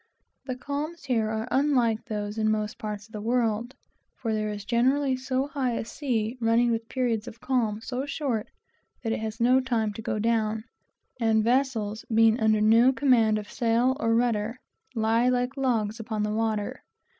The calms here are unlike those in most parts of the world, for there is always such a high sea running, and the periods of calm are so short, that it has no time to go down; and vessels, being under no command of sails or rudder, lie like logs upon the water.